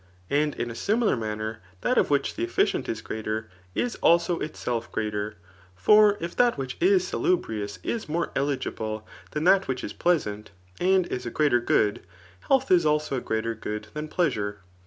And In a similar manner that of which the efficient is greater, is also itself greater. For if that which is salu* brious is more eligible than that which is pleasant, and is a greater good, health is also a greater good diao plea* sure.